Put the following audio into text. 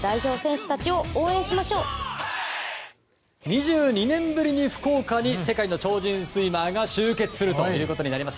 ２２年ぶりに福岡に世界の超人スイマーが集結するということになります。